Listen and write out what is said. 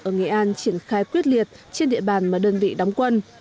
ở nghệ an triển khai quyết liệt trên địa bàn mà đơn vị đóng quân